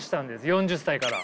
４０歳から。